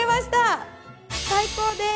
最高です！